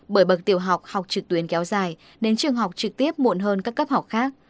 bởi bậc tiểu học học trực tuyến kéo dài nên trường học trực tiếp muộn hơn các cấp học khác